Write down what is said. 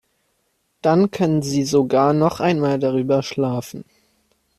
Dann können Sie sogar noch einmal darüber schlafen.